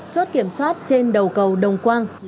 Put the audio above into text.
chốt kiểm soát trên đầu cầu đồng quang